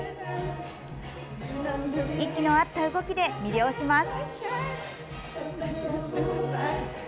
息の合った動きで魅了します。